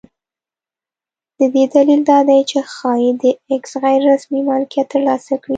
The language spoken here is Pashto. د دې دلیل دا دی چې ښایي دا کس غیر رسمي مالکیت ترلاسه کړي.